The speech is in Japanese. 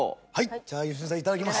じゃあ良純さんいただきます。